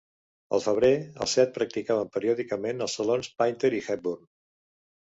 Al febrer, els set practicaven periòdicament als salons Painter i Hepburn.